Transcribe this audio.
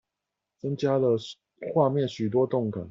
增加了畫面許多動感